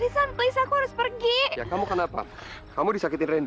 sampai sakur pergi kamu kenapa kamu disakiti rendy